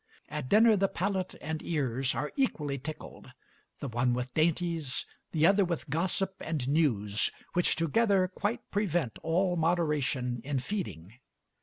At dinner the palate and ears are equally tickled the one with dainties, the other with gossip and news, which together quite prevent all moderation in feeding.